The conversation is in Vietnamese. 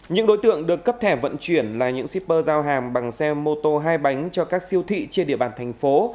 những đối tượng được cấp thẻ vận chuyển là những shipper giao hàng bằng xe mô tô hai bánh cho các siêu thị trên địa bàn thành phố